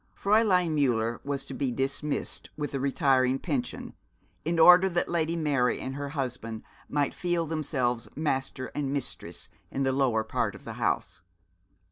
Fräulein Müller was to be dismissed with a retiring pension, in order that Lady Mary and her husband might feel themselves master and mistress in the lower part of the house.